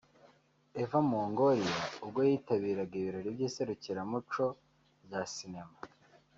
Eva Longoria ubwo yitabiraga ibirori by’iserukiramuco rya sinema